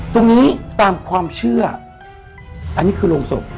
ตรงนี้ตามความเชื่ออันนี้คือโรงศพ